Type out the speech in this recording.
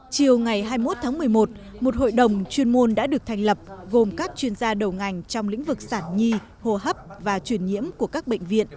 chiều ngày hai mươi một tháng một mươi một một hội đồng chuyên môn đã được thành lập gồm các chuyên gia đầu ngành trong lĩnh vực sản nhi hồ hấp và truyền nhiễm của các bệnh viện